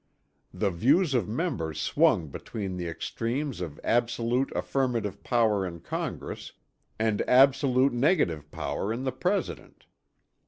The views of members swung between the extremes of absolute affirmative power in Congress and absolute negative power in the President.